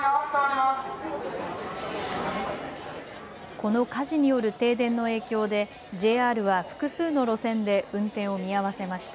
この火事による停電の影響でＪＲは複数の路線で運転を見合わせました。